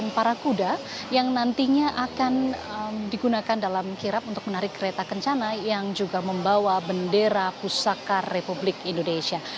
saya di kedalang kirap untuk menarik kereta kencana yang juga membawa bendera pusaka republik indonesia